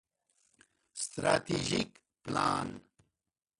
ستراتیژیک پلان